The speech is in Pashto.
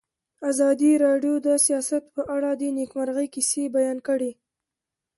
ازادي راډیو د سیاست په اړه د نېکمرغۍ کیسې بیان کړې.